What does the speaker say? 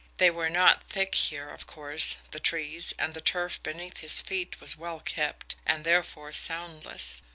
They were not thick here, of course, the trees, and the turf beneath his feet was well kept and, therefore, soundless.